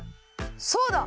そうだ！